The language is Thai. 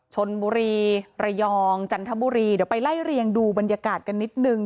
ชนบุรีระยองจันทบุรีเดี๋ยวไปไล่เรียงดูบรรยากาศกันนิดนึง